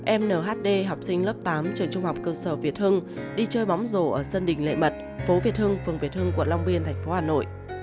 em nhd học sinh lớp tám trường trung học cơ sở việt hưng đi chơi bóng rổ ở sân đình lệ mật phố việt hưng phường việt hưng quận long biên thành phố hà nội